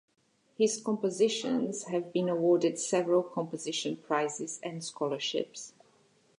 His compositions have been awarded several composition prizes and scholarships.